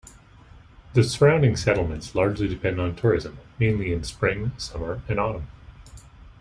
The surrounding settlements largely depend on tourism, mainly in spring, summer and autumn.